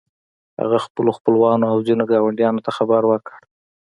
هغه خپلو خپلوانو او ځينو ګاونډيانو ته خبر ورکړ.